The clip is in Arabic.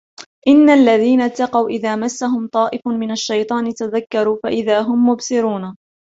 إن الذين اتقوا إذا مسهم طائف من الشيطان تذكروا فإذا هم مبصرون